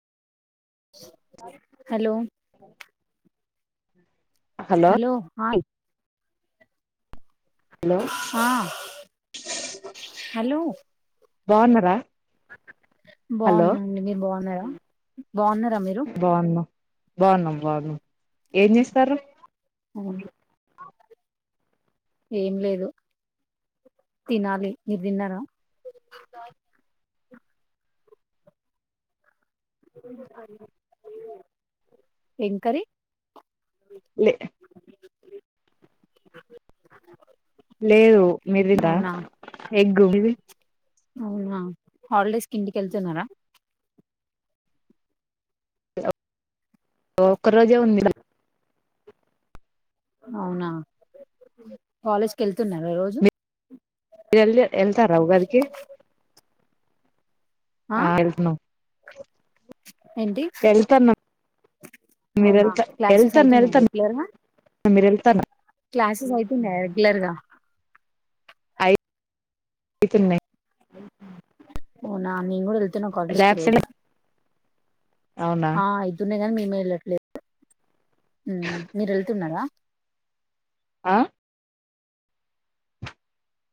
hello hello hi hello ఆ hello బాగున్నారా hello బాగున్నాండి మీరు బాగున్నారా బాగున్నారా మీరు బన్నాం బాన్నాం ఏం చేస్తార్రు ఏం లేదు తినాలి మీరు తిన్నారా ఎంకరి లే లేదు మీరిద అవునా ఎగ్గు అవునా హాలిడేస్ కి ఇంటికెళతారా ఒక్క రోజే ఉంది అవునా కాలేజ్కి వెళ్తున్నార రోజు మీరు ఎళ్ వెళ్తారా ఉగాదికి ఆ ఏళ్తున్నాం ఏంటి మీరు వెళ్తా క్లాసెస్ వెళ్తాను అయితున్నాయ వెళ్తాను రెగ్యులర్ గా మీరు వెళ్తాను క్లాసెస్ ఆ రెగ్యులర్ గా తున్నాయ్ [unintelligible] నేన్ కూడా వెళ్తున్నా కాలేజ్ కి ల్యాబ్స్ రోజు అవునా ఆ అయ్యితున్నై గని వెళ్ళట్లేదు మీరు ఎళ్తున్నారా ఆ